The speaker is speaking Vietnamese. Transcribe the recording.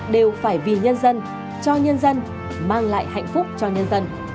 đều phải vì nhân dân cho nhân dân mang lại hạnh phúc cho nhân dân